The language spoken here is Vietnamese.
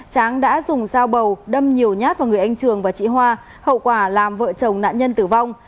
tráng đã dùng dao bầu đâm nhiều nhát vào người anh trường và chị hoa hậu quả làm vợ chồng nạn nhân tử vong